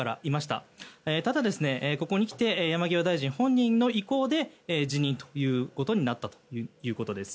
ただ、ここにきて山際大臣本人の意向で辞任ということになったということです。